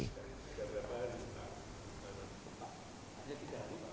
dari tiga berapa hari setelah